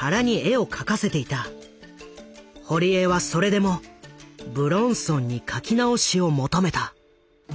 堀江はそれでも武論尊に書き直しを求めた。